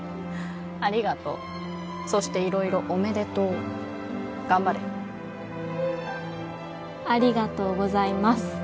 ありがとうそして色々おめでとう頑張れありがとうございます